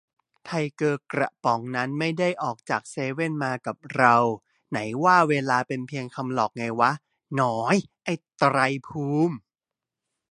ไทเกอร์กระป๋องนั้นก็ไม่ได้ออกจากเซเว่นมากับเรา : ไหนว่าเวลาเป็นเพียงคำหลอกไงวะ หนอยไอ้ไตรภูมิ